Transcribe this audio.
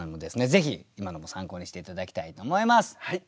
ぜひ今のも参考にして頂きたいと思います。